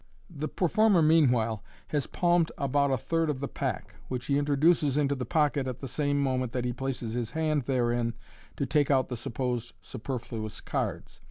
The performer meanwhile has palmed about a third of the pack, which he introduces into the pocket at the same moment iiat he places his hand therein to take out the supposed superfhi is cards.